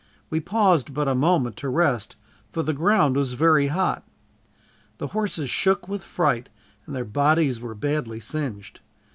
We paused but a moment to rest, for the ground was very hot. The horses shook with, fright and their bodies were badly singed.